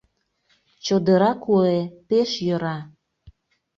Чодыра куэ, пеш йӧра.